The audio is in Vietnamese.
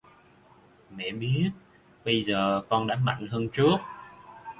Mẹ biết bây giờ con đã mạnh hơn trước